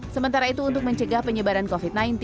sementara itu untuk mencegah penyebaran covid sembilan belas